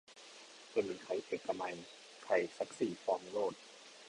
บะหมี่ไข่เอกมัย ไข่ซักสี่ฟองโลด